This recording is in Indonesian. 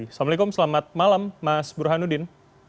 assalamualaikum selamat malam mas burhanuddin